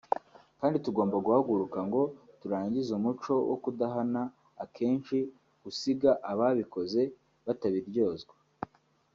kandi tugomba guhaguruka ngo turangize umuco wo kudahana akenshi usiga ababikoze batabiryozwa